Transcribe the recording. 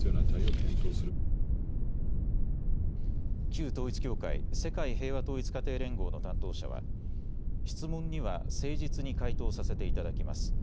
旧統一教会、世界平和統一家庭連合の担当者は質問には誠実に回答させていただきます。